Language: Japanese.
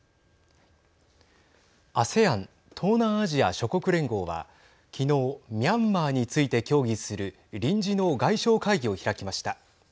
ＡＳＥＡＮ＝東南アジア諸国連合は昨日ミャンマーについて協議する臨時の外相会議を開きました。